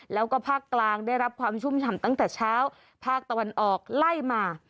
แล้วก็ภาคกลางได้รับความชุ่มฉ่ำตั้งแต่เช้าภาคตะวันออกไล่มา